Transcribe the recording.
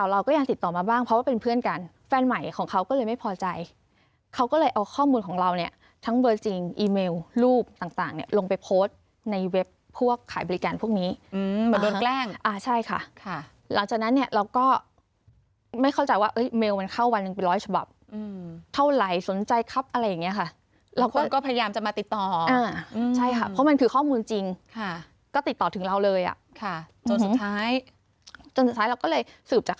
ว่าเป็นเพื่อนกันแฟนใหม่ของเขาก็เลยไม่พอใจเขาก็เลยเอาข้อมูลของเราเนี้ยทั้งเบอร์จริงอีเมลลูปต่างต่างเนี้ยลงไปโพสต์ในเว็บพวกขายบริการพวกนี้อืมเหมือนโดนแกล้งอ่าใช่ค่ะค่ะหลังจากนั้นเนี้ยเราก็ไม่เข้าใจว่าเมลมันเข้าวันนึงเป็นร้อยฉบับอืมเท่าไหร่สนใจครับอะไรอย่างเงี้ยค่ะแล้วก็ก็พยาย